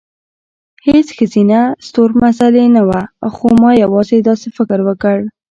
هېڅ ښځینه ستورمزلې نه وه، خو ما یوازې داسې فکر وکړ،